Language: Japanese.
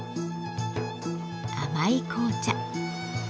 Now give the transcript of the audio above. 甘い紅茶。